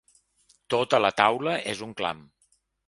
Tota la taula és un clam.